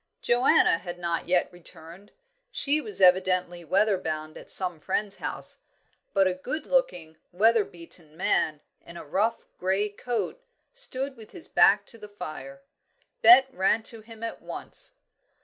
Joanna had not yet returned; she was evidently weather bound at some friend's house, but a good looking, weather beaten man, in a rough grey coat, stood with his back to the fire. Bet ran to him at once.